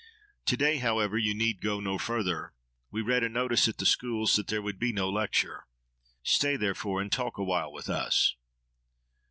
To day, however, you need go no further. We read a notice at the schools that there would be no lecture. Stay therefore, and talk awhile with us.